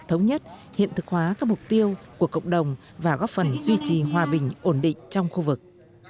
thống nhất hiện thực hóa các mục tiêu của cộng đồng và góp phần duy trì hòa bình ổn định trong khu vực